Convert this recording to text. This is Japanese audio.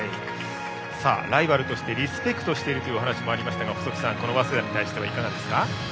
ライバルとしてリスペクトしているという話がありましたが細木さん、早稲田に対してはいかがですか？